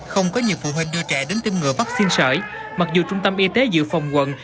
không có nhiều phụ huynh đưa trẻ đến tiêm ngừa vaccine sởi mặc dù trung tâm y tế dự phòng quận